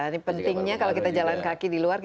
ini pentingnya kalau kita jalan kaki di luar